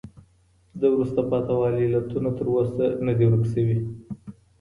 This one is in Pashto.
د وروسته پاته والي علتونه تر اوسه نه دي ورک سوي.